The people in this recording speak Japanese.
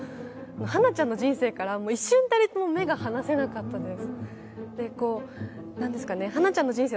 花ちゃんの人生から一瞬たりとも目が離せなかったです。